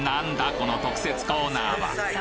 この特設コーナーは？